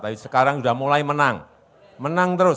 tapi sekarang sudah mulai menang menang terus